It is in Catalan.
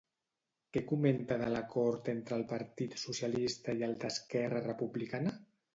Què comenta de l'acord entre el partit socialista i el d'Esquerra Republicana?